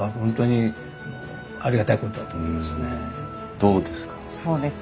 どうですか？